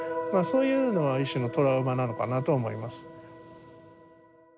そういうのは一種のトラウマなのかなとは思いますね。